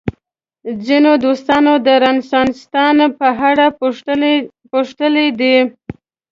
ځینو دوستانو د رنسانستان په اړه پوښتلي دي.